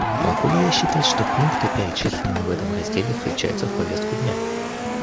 Могу ли я считать, что пункты, перечисленные в этом разделе, включаются в повестку дня?